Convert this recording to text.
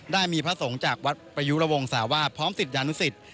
ได้มีพระสงฆ์จากวัดประยุระวงศาวาสพร้อมศิษยานุสิต